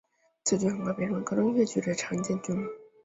此剧很快便成为高中音乐剧的常见剧目。